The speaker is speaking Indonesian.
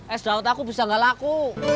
es daud aku bisa gak laku